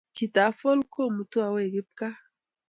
cheetap folk komuto away kipkaa